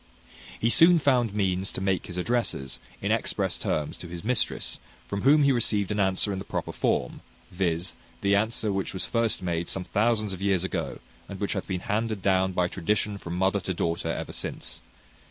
He soon found means to make his addresses, in express terms, to his mistress, from whom he received an answer in the proper form, viz.: the answer which was first made some thousands of years ago, and which hath been handed down by tradition from mother to daughter ever since.